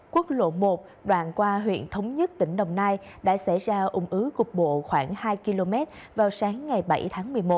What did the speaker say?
quốc lộ một đoạn qua huyện thống nhất tỉnh đồng nai đã xảy ra ủng ứ cục bộ khoảng hai km vào sáng ngày bảy tháng một mươi một